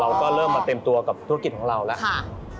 เราก็เริ่มมาเต็มตัวกับธุรกิจของเราแล้ว